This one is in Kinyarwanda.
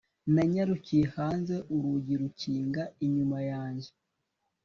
nanyarukiye hanze urugi rukinga inyuma yanjye